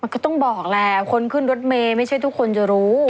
ก็ต้องบอกแหละคนขึ้นรถเมย์ไม่ใช่ทุกคนจะรู้